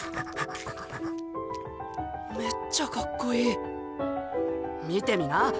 めっちゃかっこいい見てみなっ。